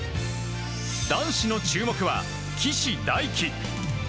男子の注目は、岸大貴。